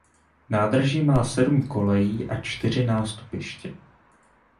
Nádraží má sedm kolejí a čtyři nástupiště.